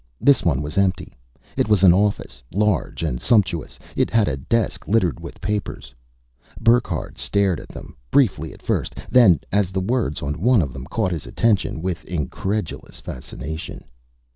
This one was empty. It was an office, large and sumptuous. It had a desk, littered with papers. Burckhardt stared at them, briefly at first then, as the words on one of them caught his attention, with incredulous fascination.